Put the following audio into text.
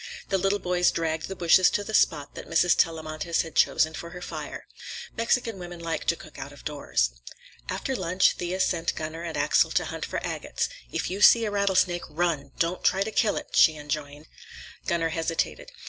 The little boys dragged the bushes to the spot that Mrs. Tellamantez had chosen for her fire. Mexican women like to cook out of doors. After lunch Thea sent Gunner and Axel to hunt for agates. "If you see a rattlesnake, run. Don't try to kill it," she enjoined. Gunner hesitated.